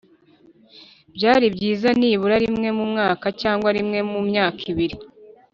Byaba byiza nibura rimwe mu mwaka cyangwa rimwe mu myaka ibiri